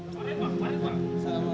selamat pagi pak